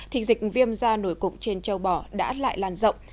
thì dịch viêm da nổi cục trên châu bò đã lại lan rộng